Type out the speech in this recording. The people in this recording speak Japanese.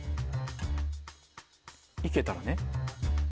いけたらね。